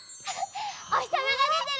おひさまがでてる！